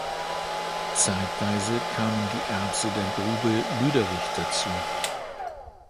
Zeitweise kamen die Erze der Grube Lüderich dazu.